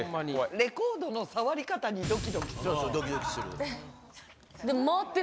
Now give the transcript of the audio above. レコードの触り方にドキドキする。